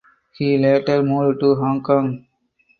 He later moved to Hong Kong.